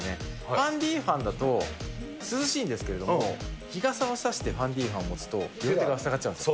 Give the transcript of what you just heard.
ハンディファンだと涼しいんですけれども、日傘を差してハンディファン持つと、両手が塞がっちゃうんです。